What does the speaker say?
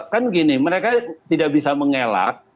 kan gini mereka tidak bisa mengelak